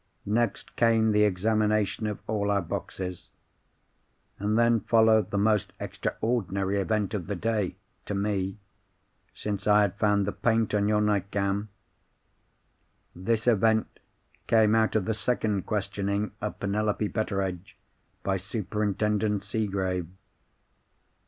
Next came the examination of all our boxes. And then followed the most extraordinary event of the day—to me—since I had found the paint on your nightgown. This event came out of the second questioning of Penelope Betteredge by Superintendent Seegrave.